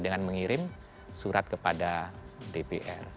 dengan mengirim surat kepada dpr